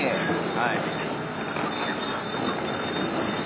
はい。